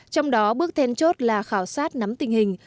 trong đó bước then chốt là khảo sát nắm tình hình